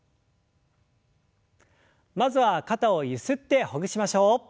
まずは肩をゆすってほぐしましょう。